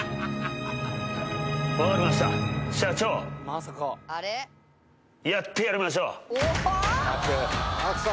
分かりました、社長、やってやりましょう。